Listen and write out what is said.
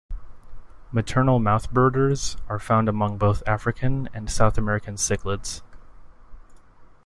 Maternal mouthbrooders are found among both African and South American cichlids.